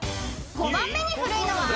［５番目に古いのは？］